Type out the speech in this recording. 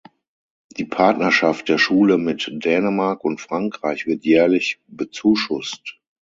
Die Partnerschaft der Schule mit Dänemark und Frankreich wird jährlich bezuschusst.